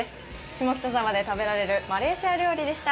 下北沢で食べられるマレーシア料理でした。